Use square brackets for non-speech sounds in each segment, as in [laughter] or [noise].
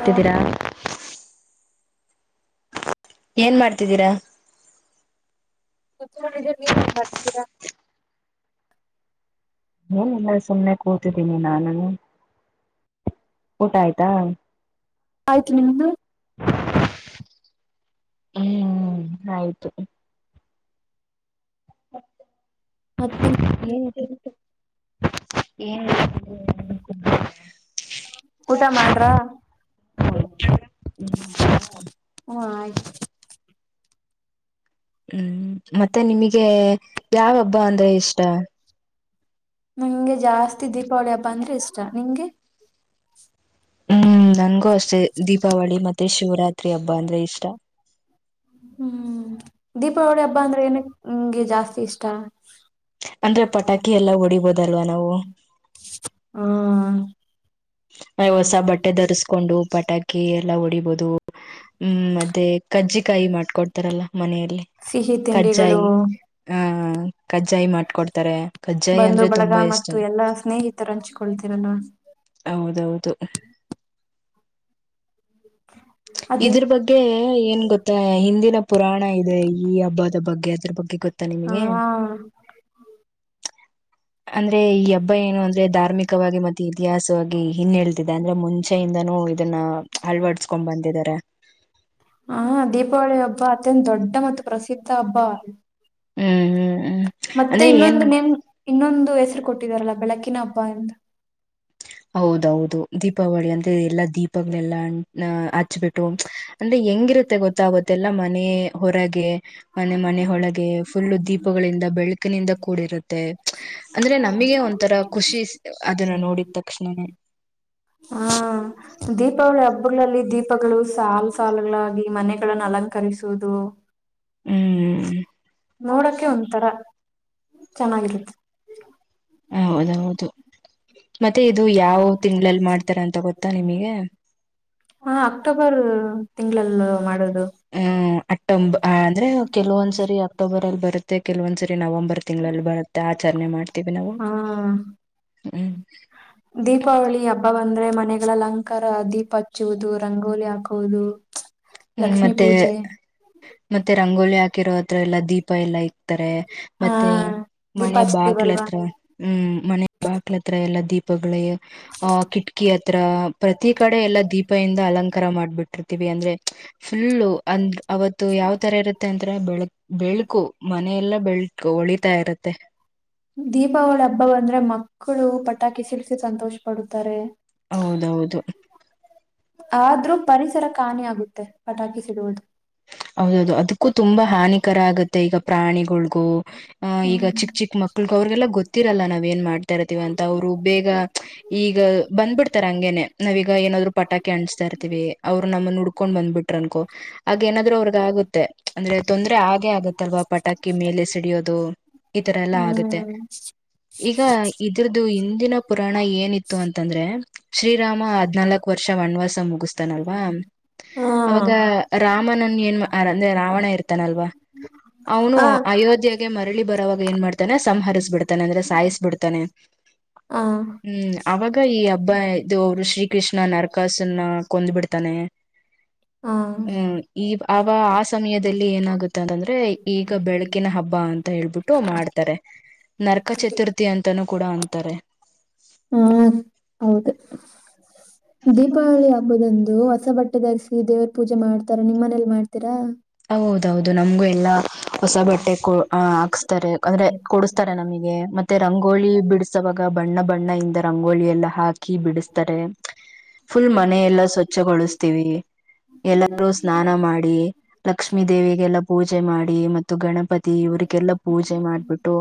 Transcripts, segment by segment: Hello ಏನ್ ಮಾಡ್ತಿದ್ದೀರಾ ಕುೂತ್ಕೊಂಡಿದ್ರಿ ನೀವ ಏನ್ ಮಾಡ್ತಿದ್ದೀರಾ ಹ್ಮ ಎಲ್ಲ ಸುಮ್ಮನೆ ಕೂತಿದ್ದೀನಿ ನಾನು ಊಟ ಆಯ್ತಾ ಆಯ್ತು ನಿಮ್ದು ಹ್ಮ್ ಆಯ್ತು ಮತ್ತೆನ ಏನ್ ಏನ್ ಊಟ ಮಾಡ್ರ ಹ ಆಯ ಹ್ಮ್ ಮತ್ತೆ ನಿಮಗೆ ಯಾವ ಹಬ್ಬ ಅಂದ್ರೆ ಇಷ್ಟ ನಂಗೆ ಜಾಸ್ತಿ ದೀಪಾವಳಿ ಹಬ್ಬ ಅಂದ್ರೆ ಇಷ್ಟ ನಿಂಗೆ ಹ್ಮ್ ನನ್ಗೂ ಅಷ್ಟೇ ದೀಪಾವಳಿ ಮತ್ತೆ ಶಿವರಾತ್ರಿ ಹಬ್ಬ ಅಂದ್ರೆ ಇಷ್ಟ ಹ್ಮ್ ದೀಪಾವಳಿ ಹಬ್ಬ ಅಂದ್ರೆ ಏನಕ್ಕ ನಿಂಗೆ ಜಾಸ್ತಿ ಇಷ್ಟ ಅಂದ್ರೆ ಪಟಾಕಿ ಎಲ್ಲಾ ಹೊಡಿಬೋದಲ್ವಾ ನಾವು ಹ್ಮ ನಾವ್ ಹೊಸ ಬಟ್ಟೆ ಧರಿಸಸ್ಕೊಂಡು ಪಟಾಕಿ ಎಲ್ಲಾ ಹೊಡಿಬಹದು ಹ್ಮ್ ಮತ್ತೇ ಕಜ್ಜಿಕಾಯಿ ಮಾಡ್ಕೊಡ್ತಾರಲ್ಲ ಮನೆಯಲ್ಲಿ ಸಿಹಿ ತಿಂಡಿಗಳು ಕಜ್ಜಾಯಿ ಹಾ ಕಜ್ಜಾಯಿ ಮಾಡ್ಕೊಡ್ತಾರೆ ಕಜ್ಜಾಯಿ ಅಂದ್ರೆ ತುಂಬಾ ಇಷ್ಟ ರ ಹಂಚ್ಕೊಳ್ತೀರಲ್ಲ ಹೌದೌದು ಅದೇ ಇದ್ರ ಬಗ್ಗೆ ಏನ್ ಗೊತ್ತಾ ಹಿಂದಿನ ಪುರಾಣ ಇದೆ ಈ ಹಬ್ಬದ ಬಗ್ಗೆ ಅದ್ರ ಬಗ್ಗೆ ಗೊತ್ತ ಹಾ ಅಂದ್ರೆ ಈ ಹಬ್ಬ ಏನು ಅಂದ್ರೆ ಧಾರ್ಮಿಕವಾಗಿ ಮತ್ತೆ ಇತಿಹಾಸವಾಗಿ ಹನ್ಳ್ತಿದೆ ಅಂದ್ರೆ ಮುೆ ಂಷೆಯಿಂದನೂ ಇದನ್ನ ಅಳ್ವಡ್ಸ್ಕೊಂಡ್ ಬಂದಿದ್ದಾರೆ ಹಾ ದೀಪಾವಳಿ ಹಬ್ಬ ಅತ್ಯಂತ ದೊಡ್ಡ ದೊಡ್ಡ ಮತ್ತು ಪ್ರಸಿದ್ಧ ಹಬ್ಬ ಹ್ಮ್ ಹ್ಮ್ ಹ್ಮ್ ಮತ್ತೆ ಅಂದ್ರೆ ಇನ್ನೊಂದು ಏನ್ ನೇಮ ಇನ್ನೊಂದು ಹೆಸರು ಕೊಟ್ಟಿದಾರಲ್ಲ ಬೆಳಕಿನ ಹಬ್ಬಂದ ಹೌದೌದು ದೀಪಾವಳಿ ಅಂದ್ರ ಎಲ್ಲಾ ದೀಪಗಳೆಲ್ಲ ಹಚ್ಬಟ್ಟು ಅಂದ್ರೆ ಹೆಂಗಿರುತ್ತೆ ಗೊತ್ತಾಗುತ್ತೆಲ್ಲ ಮನೆ ಹೊರಗೆ ಮನೆ ಮನೆ ಒಳಗೆ ಫುಲ್ಲು ದೀಪಗಳಿಂದ ಬೆಳಕಿನಿಂದ ಕೂಡಿರುತ್ತೆ ಅಂದ್ರೆ ನಮಗೆ ಒಂಥರ ಖುಷಿ ಅದನ್ನ ನೋಡಿದ ತಕ್ಷಣನೇ ಹಾ ದೀಪಾವಳಿ ಹಬ್ಬಗಳಲ್ಲಿ ದೀಪಗಳು ಸಾಲ್ ಸಾಲಗಳಾಗಿ ಮನೆಗಳನ್ನು ಅಲಂಕರಿಸುವುದು ಹ್ಮ್ ನೋಡಕೆ ಒಂಥರ ಚೆನ್ನಾಗಿತ್ತು ಹೌದೌದು ಮತ್ತೆ ಇದು ಯಾವ ತಿಂಲ್ಲಿ ಮಾಡ್ತಾರ ಅಂತ ಗೊತ್ತಾ ನಿಮಗೆ ಹಾ ಅಕ್ಟೋಬರ್ ತಿಂಗಳಲ್ಲ ಮಾಡೋದು ಅಕ್ಟೋ ಅಂದ್ರೆ ಕೆಲವೊಂದ್ ಸರಿ ಅಕ್ಟೋಬರ್ ಅಲ್ಲಿ ಬರುತ್ತೆ ಮತ್ತೆ ಕೆಲವೊಂದ್ಸರಿ ನವೆಂಬರ್ ತಿಂಗಳಗಳಲ್ಲಿ ಬರುತ್ತೆ ಆಚರಣೆ ಮಾಡ್ತೀವಿ ನಾವು ಹಾ ಹ್ಮ್ ದೀಪಾವಳಿ ಹಬ್ಬ ಬಂದ್ರೆ ಮನೆಗಳ ಲಂಕಾರ ದೀಪ ಹಚ್ಚುವುದು ರಂಗೋಲಿ ಹಾಕುದು ಹ್ಮ್, ಲಕ್ಷ್ಮೀ ಪೂಜೆ ಮತ್ತೆ ಮತ್ತೆ ರಂಗೋಲಿ ಹಾಕಿರೋದ್ರ ಎಲ್ಲ ದೀಪ ಎಲ್ಲ ಇಕ್ತಾರೆ ಹಾ ಮತ್ತೆ ದೀಪ ಮನೆ ಹಚ್ತೀವಲ್ವಾ ಬಾಕ್ಲತ್ರ ಹ್ಮ್ ಮನೆ ಬಾಕ್ಲತ್ರ ಎಲ್ಲಾ ದೀಪಗಳಿಗೆ ಆಹ ಕಿಟ್ಕಿ ಹತ್ರ ಪ್ರತಿ ಕಡೆ ಎಲ್ಲಾ ದೀಪ ಇಿಂದ ಅಲಂಕಾರ ಮಾಡ್ಬಿಟ್ಟು ಪ್ರೃತಿವಿಿ ಅಂದ್ರೆ ಫುಲ್ಲು ಅಂದ ಅವತ್ತು ಯಾವ್ ತರ ಇರುತ್ತೆ ಅಂತ್ರ ಬೆಳ ಬೆಳಕು ಮನೆಯ ಎಲ್ಲ ಬೆಳ ೋ ಹೊಳಿತಾ ಇರತ್ತೆ ದೀಪಾವಳಿ ಹಬ್ಬ ಬಂದ್ರೆ ಮಕ್ಕಳು ಪಟಾಕಿ ಸಿಡಸಿ ಸಂತೋಷ ಪಡುತ್ತಾರೆ ಹೌದೌದು ಆದ್ರೂ ಪರಿಸರ ಕಾಣಿ ಆಗುತ್ತೆ ಪಟಾಕಿ ಸಿಡುವುದು ಹೌದೌದು ಅದಕ್ಕೂ ತುಂಬಾ ಹಾನಿಕರ ಆಗತ್ತೆ ಈಗ ಪ್ರಾಣಿಗಳಗೂ ಆ ಈಗ ಚಿಕ್ ಹ್ಮ್ ಚಿಕ್ ಮಕ್ಳಗ ಅವ್ರಗೆಲ್ಲ ಗೊತ್ತಿರಲ್ಲ ನಾವ್ ಏನ್ ಮಾಡ್ತಾ ಇರ್ತಿೀವ ಅಂತ ಅವ್ರು ಬೇಗ ಈಗ ಬಂದ್ಬಿಡ್ತಾರ ಹಂಗೇನೆ ನಾವ್ೀಗ ಏನಾದ್ರು ಪಟಾಕಿ ಅಣಿಸಸ್ತಾ ಇರ್ತಿೀವಿ ಅವ್ರರು ನಮ್ಮನ್ನ ಉುಡ್ಕೊಂಡ್ ಬಂದ್ಬಿಟ್ಟ ಟ್ರಂಕೋ ಹಾಗೇಏನಾದ್ರು ಅವ್ರಗ ಆಗುತ್ತೆ ಅಂದ್ರೆ ತೊಂದ್ರರೆ ಹಾಗೆ ಆಗತ್ತಲ್ವಾ ಪಟಾಕಿ ಮೇಲೆ ಸಿಡಿಯೋದು ಈ ತರ ಎಲ್ಲಾ ಆಗುತ್ತೆ ಈಗ ಇದ್ರದು ಹಿಂದಿನ ಪುರಾಣ ಏನಿತ್ತು ಅಂತಂದ್ರೆ ಶ್ರೀರಾಮ ಹದ್ನಾಾಲ್ಕ್ ವರ್ಷ ವನ್ವಾಸ ಮುಗಿಸತಾನಲ್ವಾ ಅವಾಗ ರಾಮನನ್ ಏನ್ ಅಂದ್ರೆ ರಾವಣ ಇರ್ತಾನಲ್ವಾ ಅವನು ಅಯೋಧ್ಯ ಮರಳಿ ಬರವಾಗ ಏನ್ ಮಾಡ್ತಾನೆ ಸಂಹರಿಸ ಬಿಿತಾನೆ ಅಂದ್ರೆ ಸಾಯ್ಬಿಡ್ತಾನೆ ಹೂ ಅವಾಗ ಈ ಹಬ್ಬ ಇದು ಅವರು ಶ್ರೀಕೃಷ್ಣ ನರಕಾಸನ್ನ ಕೊಂದ್ ಬಿಿಡ್ತಾನೆ ಹೂ ಈ ಅವ ಆ ಸಮಯದಲ್ಲಿ ಏನಾಗುತ್ತ ಅಂತಂದ್ರೆ ಈಗ ಬೆಳಕಿನ ಹಬ್ಬ ಅಂತ ಹೇಳ್ಬಿಟ್ಟು ು ಮಾಡ್ತಾರೆ ನರಕ ಚತುರ್ಥಿ ಅಂತಾನೂ ಕೂಡ ಅಂತಾರೆ ಹ್ಮ್ ಹೌದು ದೀಪಾವಳಿ ಹಬ್ಬದಂದು ಹೊಸ ಬಟ್ಟೆ ಧರಿಸಿ ದೇವ್ರ ಪೂಜೆ ಮಾಡ್ತಾರ ನಿಮ್ಮ ಮನೇಲಿ ಮಾಡ್ತೀರಾ ಹೌದೌದು ನಮ್ಗೂ ಎಲ್ಲಾ ಹೊಸ ಬಟ್ಟೆ ಹಾಕ್ಸ್ತಾರೆ ಅಂದ್ರೆ ಕೊಡಸ್ತಾರೆ ನಮಗೆ ಮತ್ತೆ ರಂಗೋಲಿಿ ಬಿಡಸವಾಗ ಬಣ್ಣ ಬಣ್ಣ ಇಿಂದ ರಂಗೋಳಿ ಎಲ್ಲಾ ಹಾಕಿ ಹಾಕಿ ಬಿಡಿಸ್ತಾರೆ ಫುಲ್ ಮನೆಯೆಲ್ಲಾ ಸ್ವಚ್ಛಗೊಳಿಸ್ತೀವಿ ಎಲ್ಲೂ ಸ್ನಾನ ಮಾಡಿ ಲಕ್ಷ್ಮೀ ದೇವಿಗೆಲ್ಲಾ ಪೂಜೆ ಮಾಡಿ ಮತ್ತು ಗಣಪತಿ ಇವ್ರಿಗೆಲ್ಲಾ ಪೂಜೆ ಮಾಡ್ಬಿಟ್ಟು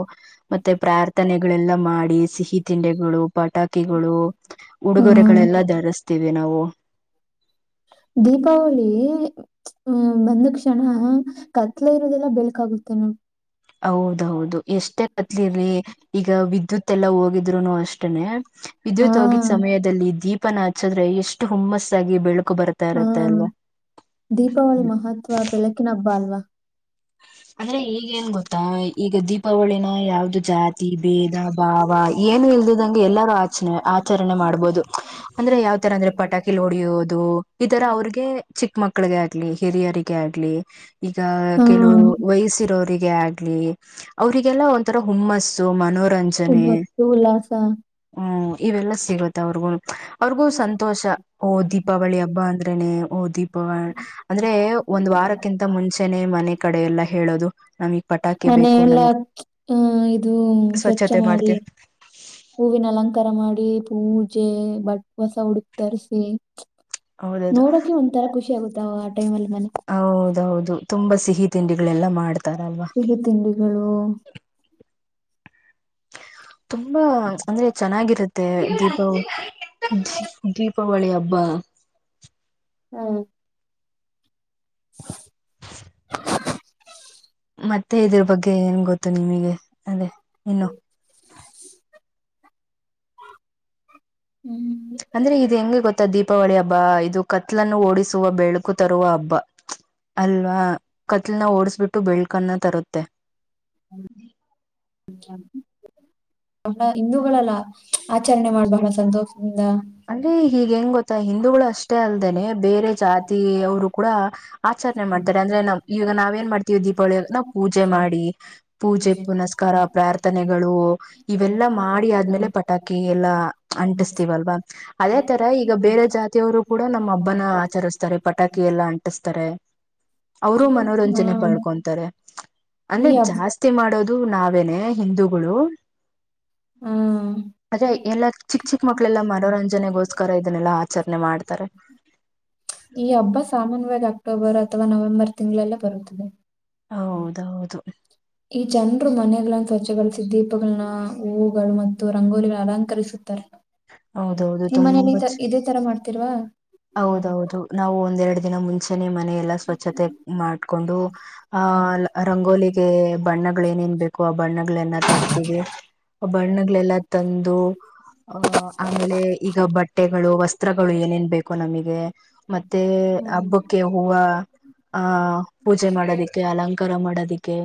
ಮತ್ತೆ ಪ್ರಾರ್ಥನೆಗಳೆಲ್ಲ ಮಾಡಿ ಸಿಹಿ ತಿಂಡಿಗಳು ಪಟಾಕಿಗಳು ಉಡುಗೊರೆಗಳೆಲ್ಲ ಧರಿಸ್ತೀವಿ ನಾವು ದೀಪಾವಳಿ ಹೂ ಬಂದ ಕ್ಷಣ ಕತ್ಲ ಇರೋದೆಲ್ಲ ಬೆಳ್ಕ ಆಾಗುತ್ತೆ ನ ಹೌದೌದು ಎಷ್ಟೇ ಕತ್ಲಿರರಿ ಈಗ ವಿದ್ಯುತ್ ಎಲ್ಲಾ ಹೋಗಿದ್ರುನು ಅಷ್ಟನೆ ಇದ ಹಾ ತೋಗಿದ ಸಮಯದಲ್ಲಿ ದೀಪನ ಹಚ್ಚಿದ್ರೆ ಎಷ್ಟು ಹುಮ್ಮಸ್ಸಾಗಿ ಬೆಳಕು ಬರುತ್ತೆ ಹೂ ದೀಪಾವಳಿ ಮಹತ್ವ ಬೆಳಕಿನ ಹಬ್ಬ ಅಲ್ವಾ ಅಂದ್ರೆ ಈಗ ಏನ್ ಗೊತ್ತಾ ಈಗ ದೀಪ್ ಹಪ್ಪಾವಳಿನ ಯಾವ್ದು ಜಾತಿ ಭೇದ ಭಾವ ಏನು ಇಲ್ದಿದಂಗೆ ಎಲ್ಲಾರೂ ಆಚರಣೆ ಆಚರಣೆ ಮಾಡ್ಬಹದು ಅಂದ್ರೆ ಯಾವ್ ತರ ಅಂದ್ರೆ ಪಟಾಕಿಲ್ಲಿ ಹೊಡಿಯೋದು ಈ ತರ ಅವ್ರಿಗೆ ಚಿಕ್ಕ ಮಕ್ಳಗೆ ಆಗ್ಲಿ ಹಿರಿಯರಿಗೆ ೆ ಆಗ್ಲಿ ಈಗ ಹಾ ಕೆಲವು ಬಯಸರೋರಿಗೆ ಆಗ್ಲಿ ಅವರಿಗೆಲ್ಲ ಒರ ಹುಮ್ಮಸ್ಸು ಮನೋರಂಜ ಉಮ್ಮತ್ತು ಉಲ್ಲಾಸ ಹೂ ಇವೆಲ್ಲಾ ಸಿಗುತ್ತ ಅವ್ರಿಗು ಅವ್ರಿಗೂ ಸಂತೋಷ ಓ ದೀಪಾವಳಿ ಹಬ್ಬ ಅಂದ್ರೇನೆ ಓ ದೀಪಾವಳ ಅಂದ್ರೆ ಒಂದ್ ವಾರಕ್ಕಿಂತ ಮುಂಚೆನೆ ಮನೆ ಕಡೆ ಎೆಲ್ಲ ಹೇಳೋದು ನಮೀಗ್ ಪಟಾಕಿ ಮನೆ ಬೇಕು ಎಲ್ಲ ನಮಗ್ ಆ ಇದು ಸ್ವಚ್ಛ ಸ್ವಚ್ಛತೆ ಮಾಡಿ ಮಾಡ್ತೇವಿ ಹೂವಿನ ಅಲಂಕಾರ ಮಾಡಿ ಪೂಜೆ ಬಟ್ ಹೊಸ ಹುಡುಕ್ ತರಿಸಿ ಹೌದದು ನೋಡೋಕೆ ಒಂದಥರ ಖುಷಿ ಆಗುತ್ತ ಅವ ಆ ಟೈಮ್ ಅಲ್ಲಿ ಮನೆ ಹೌದೌದು ತುಂಬಾ ಸಿಹಿ ತಿಂಡಿಗಳೆಲ್ಲ ಮಾಡ ಸಿಹಿ ತಿಂಡಿಗಳು ತುಂಬಾ ಅಂದ್ರೆ ಚೆನ್ನಾಗಿರುತ್ತೆ ದೀಪವು ದ ಹಪ್ಪಾವಳಿ ಹಬ್ಬ ಹ್ಮ್ [inaudible] ಮತ್ತೆ ಇದ್ರ ಬಗ್ಗೆ ಏನ್ ಗೊತ್ತು ನಿಮಗೆ ಅದೇ ಇನ್ನು ಹ್ಮ್ ಅಂದ್ರೆ ಇದು ಹೆಂಗೆ ಗೊತ್ತ ದೀಪಾವಳಿ ಹಬ್ಬ ಇದು ಕತ್ಲನ್ನು ಓಡಿಸುವ ಬೆಳಕು ತರುವ ಹಬ್ಬ ಅಲ್ವಾ ಕತ್ಲನ ಓಡಸ್ಬಿಟ್ಟು ಬೆಳ್ಕನ್ನ ತರುತ್ತೆ ಹಿ ಹಕ ಬಹಳ ಹಿಂದೂಗಳಲ್ಲ ಆಚರಣೆ ಮಾಡ ಬಹಳ ಸಂತೋಷದಿಂದ ಅಲ್ ಹಗ್ ಹೆಂಗ್ ಗೊತ್ತಾ ಹಿಂದೂಗಳು ಅಷ್ಟೇ ಅಲ್ದೇನೆ ಬೇರೆ ಜಾತಿ ಅವರು ಕೂಡ ಆಚರಣೆ ಮಾಡ್ತಾರೆ ಅಂದ್ರೆ ನಾವ ಈವಗ ನಾವ್ ಏನ್ ಮಾಡ್ತೀವಿ ದೀಪಾವಳಿ ನಾವ ಪೂಜೆ ಮಾಡಿ ಪೂಜೆ ಪುನಸ್ಕಾರ ಪ್ರಾರ್ಥನೆಗಳು ಇವೆಲ್ಲಾ ಮಾಡಿ ಆದ್ಮೇಲೆ ಪಟಾಕಿ ಎಲ್ಲಾ ಅಂಟಿಸತೀವಲ್ವಾ ಅದೇ ತರ ಈಗ ಬೇರೆ ಜಾತಿಯವರು ಕೂಡ ನಮ್ಮ ಹಬ್ಬನ ಆಚರಿಸ್ತಾರೆ ಪಟಾಕಿ ಎಲ್ಲ ಅಂಟಿಸ್ತಾರೆ ಅವರು ಮನೋರಂಜನೆ ಹ್ಮ್ ಪಡ್ಕೊತಾರೆ ಈ ಅಂದ್ರೆ ಹಬ್ಬ ಜಾಸ್ತಿ ವೃಿ ಮಾಡೋದು ನಾವೇನೆ ಹಿಂದೂಗಳು ಆ ಅದೇ ಎಲ್ಲ ಚಿಕ್ಕ ಚಿಕ್ಕ ಮಕ್ಕಳೆ ಎಲ್ಲ ಮಾಡಾರ ಮುಂಜನೆಗೋಸ್ಕರ ಇದನ್ನಲ್ಲಾ ಆಚರಣೆ ಮಾಡ್ತಾರೆ ಈ ಹಬ್ಬ ಸಾಮಾನ್ಯವಾಗಿ ಅಕ್ಟೋಬರ್ ಅಥವಾ ನವೆಂಬರ್ ತಿಂಗಳೆಲ್ಲ ಬರುತ್ತದೆ ಹೌದೌದು ಈ ಜನರು ಮನೆನ್ನ ಸ್ವಚ್ಗಳು ಸಿದ ದೀಪಗಳನ್ನ ಹೂವುಗಳು ಮತ್ತು ರಂಗೋಲಿಗಳನ್ನು ಅಲಂಕರಿಸುತ್ತಾರೆ ಹೌದೌದು ನಿಮ ಮನೇಲಿ ತುಂಬಾ ಇತರ ಇದೇ ತರ ಮಾಡ್ತಿರ್ವಾ ಹೌದೌದು ನಾವು ಒಂದೆರಡ್ ದಿನ ಮುಂಚೆನೆ ಮನೆಯೆಲ್ಲಾ ಸ್ವಚ್ಛತೆ ಮಾಡ್ಕೊಂಡು ಆಹ ರಂಗೋಲಿಗೆ ಬಣ್ಣಗಳ ಏನೇನ್ ಬೇಕು ಆ ಬಣ್ಣಗಳೆನ್ನ ತರ್ತೀವಿ ಬಣ್ಣಗಳೆಲ್ಲಾ ತಂದು ಆಹ ಆಮೇಲೆ ಈಗ ಬಟ್ಟೆಗಳು ವಸ್ತ್ರಗಳು ಏನೇನ್ ಬೇಕು ನಮ ಮತ್ತೆ ಹ್ಮ್ ಹಬ್ಬಕ್ಕೆ ಹೂ ಆ ಪೂಜೆ ಮಾಡೋದಿಕ್ಕೆ [inaudible] ಅಲಂಕಾರ ಮಾಡೋದಿಕ್ಕೆ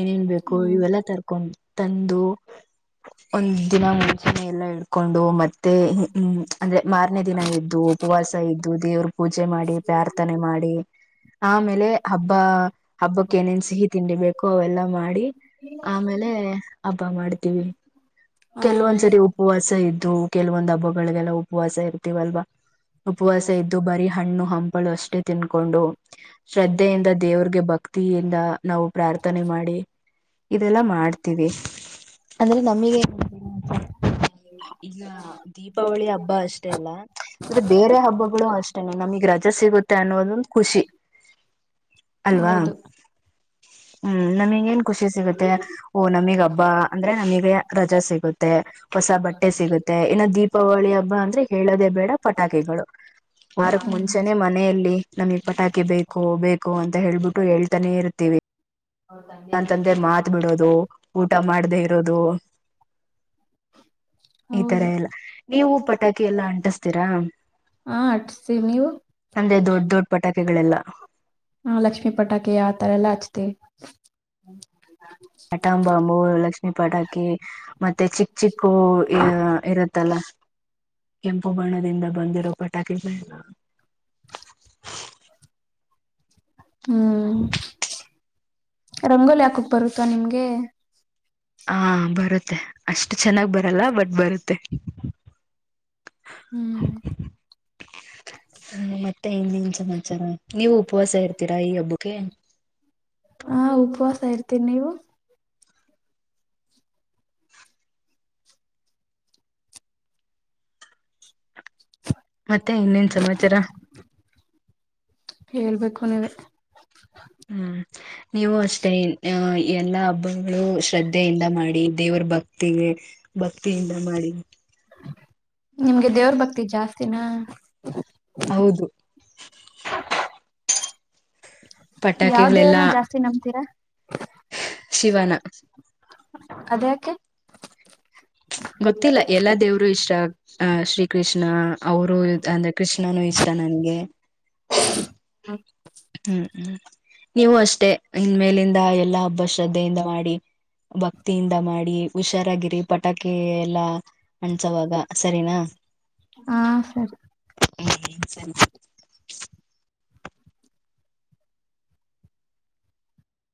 ಏನೇನ್ ಬೇಕು ಹ್ಮ್ ಇವೆಲ್ಲಾ ತರ್ಕೊಂಡ ತಂದು ಒಂದ್ ದಿನ ಮುಂಚಾನೆಯ ಎಲ್ಲ ಇಡ್ಕೊಂಡು ಮತ್ತೆ ಹ್ಮ ಅಂದ್ರೆ ಮಾರನೆ ದಿನ ಎದ್ದು ಹೋಗಿ ಉಪವಾಸ ಇದ್ದು ದೇವರು ಪೂಜೆ ಮಾಡಿ ಪ್ರಾರ್ಥನೆ ಮಾಡಿ ಆಮೇಲೆ ಹಬ್ಬ ಹಬ್ಬಕ್ಕೆ ಏನೇನ್ ಸಿಹಿ ತಿಂಡಿಬೇಕು ಅವೆಲ್ಲ ಮಾಡಿ ಆಮೇಲೆ ಹಬ್ಬ ಮಾಡ್ತೀವಿ ಹಾ ಕೆಲವೊಂದ್ಸರಿ ಉಪ್ಪ ಉಪವಾಸ ಇದ್ದು ಕೆಲವೊಂದ್ ಹಬ್ಬಗಳಿಗೆಲ್ಲ ಉಪವಾಸ ಇರ್ತೀವಲ್ವಾ ಉಪವಾಸ ಇದ್ದು ಬರೀ ಹಣ್ಣು ಹಂಪಲು ಅಷ್ಟೇ ತಿನ್ಕೊಂಡು ಶ್ರದ್ಧೆಯಿಂದ ದೇವ್ರಗೆ ಭಕ್ತಿಯಿಂದ ನಾವು ಪ್ರಾರ್ಥನೆ ಮಾಡಿ ಇದೆಲ್ಲ ಮಾಡ್ತವಿ ಅಂದ್ರೆ ನಮಗ [unintelligible] ಇಲ್ಲ ದೀಪಾವಳಿ ಹಬ್ಬ ಅಷ್ಟೇ ಅಲ್ಲ ಅಂದ್ರೆ ಬೇರೆ ಹಬ್ಬಗಳು ಅಷ್ಟೇನೆ ನಮಗ ರಜೆ ಸಿಗುತ್ತೆ ಅನ್ನೋದೊಂದು ಖುಷಿ. ಹೌದು. ಹ್ಮ ನಮಗ ಏನ್ ಖುಷಿ ಸಿಗತ್ತೆ ಓ ನಮಗ ಹಬ್ಬಾ ಅಂದ್ರೆ ನಮಗೆ ರಜಾ ಸಿಗ. ತ್ತೆ ಹೊಸ ಬಟ್ಟೆ ಸಿಗುತ್ತೆ ಇನ್ನು ದೀಪಾವಳಿ ಹಬ್ಬ ಅಂದ್ರ ಹೇಳೋದೇ ಬೇಡ ಪಟಾಕಿಗಳು. ವಾರಕ ಮುಂಚೆನೆ ಮನೆಯಲ್ಲಿ ನಮಗ ಪಟಾಕಿ ಬೇಕು ಬೇಕು ಅಂತ ಹೇಳ್ಬಿಟ್ಟು ಹೇಳ್ತಾನೇ ಇರ್ತೀವಿ. ಅಂತದೆ ಮಾತ ಬಿಡೋದು ಊಟ ಮಾಡ್ದೇ ಇರೋದು. ಈ ತರ ಹೌದು ಎಲ್ಲ ನೀವು ಪಟಾಕಿ ಎಲ್ಲಾ ಅಂಟಿಸತೀರಾ. ಹಾ ಅಟಸತೀವಿ ನೀವು. ದೊಡ್ಡ ದೊಡ್ಡ ಪಟಾಕಿ ಗಳೆಲ್ಲ ಹಾ ಲಕ್ಷ್ಮೀ ಪಟಾಕಿ ಆತರ ಎಲ್ಲಾ ಹಚ್ತಿ. ಆಟೋಬಾಂಬ್ ಲಕ್ಷ್ಮಿ ಪಟಾಕಿ ಮತ್ತ ಚಿಕ್ಕ ಚಿಕ್ಕ ಅ ಇರುತ್ ತ್ತಲ್ಲ ಕೆಂಪು ಬಣ್ಣದಿಂದ ಬಂದಿರೋ ಪಟಾಕಿ. [inaudible] ಹ್ಮ ರಂಗೋಲಿ ಹಾಕಕ ಬರುತ್ತಾ ನಿಮ್ಗೆ ಹಾ ಬರತ್ತೆ ಅಷ್ಟು ಚೆನ್ನಾಗ ಬರಲ್ಲ ಬಟ್ ಬರತ್ತೆ. ಹ್ಮ. ಹ ಮತ್ತೆ ಇನ್ನನ ಸಮಾಚಾರ. ನೀವು ಉಪವಾಸ ಇರ್ತೀರಾ ಈ ಹಬ್ಬಕೆ ಹಾ ಉಪವಾಸ ಇರ್ತೀನ ನೀವು. [inaudible] ಮತ್ತೆ ಇನ್ನೇನ ಸಮಾಚಾರ. ಹೇಳ್ಬೇಕು ನೀವೇ ಹ್ಮ ನೀವು ಅಷ್ಟೇ ಅ ಎಲ್ಲಾ ಅಬ್ಬ ಶ್ರದ್ಧೆಯಿಂದ ಮಾಡಿ ದೇವರ ಭಕ್ತಿಗೆ ಭಕ್ತಿಯಿಂದ ಮಾಡಿ. ಇನ ಹೌದು. ಯಾವ ಪಟಾಕಿಗಳೆಲ್ಲಾ ದೇವರನ ಜಾಸ್ತಿ ನಂಬತೀರಾ. ಶಿವನ ಅದ್ಯಾಕೆ ಗೊತ್ತಿಲ್ಲ ಎಲ್ಲಾ ದೇವ್ರು ಇಷ್ಟ. ಅ ಶ್ರೀ ಕೃಷ್ಣ ಅವರು ಅಂದ್ರ ಕೃಷ್ಣನು ಇಷ್ಟ ನಂಗೆ ಹ್ಮ ನೀವು ಅಷ್ಟೇ ಇನ್ ಮೇಲಿಂದ ಎಲ್ಲಾ ಹಬ್ಬ ಶ್ರದ್ಧೆಯಿಂದ ಮಾಡಿ. ಭಕ್ತಿಯಿಂದ ಮಾಡಿ ವಿಶ್ ಚರಗಿರಿ ಪಟಾಕಿ ಎಲ್ಲಾ ಅಣಸವಾಗ ಸರಿನಾ. ಹಾ ಸರಿ. [unintelligible]